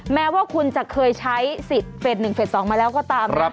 แม้ว่าคุณจะเคยใช้สิทธิ์เฟส๑เฟส๒มาแล้วก็ตาม